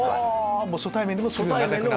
初対面でも。